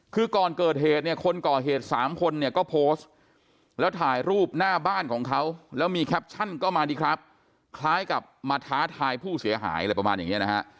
คือก่อนเกิดเหตุเนี่ยคนก่อเหตุสามคนเนี่ยก็โพสต์แล้วถ่ายรูปหน้าบ้านของเขาแล้วมีแคปชั่นก็มาดีครับคล้ายกับมาท้าทายผู้เสียหายอะไรประมาณอย่างนี้นะฮะ